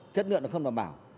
chất lượng nó không đảm bảo